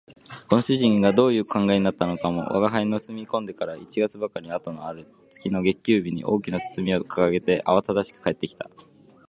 この主人がどういう考えになったものか吾輩の住み込んでから一月ばかり後のある月の月給日に、大きな包みを提げてあわただしく帰って来た